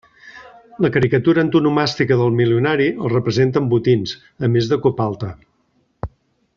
La caricatura antonomàstica del milionari el representa amb botins, a més de copalta.